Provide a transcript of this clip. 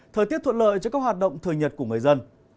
thời tiết thuận lợi cho các hoạt động thời nhật của người dân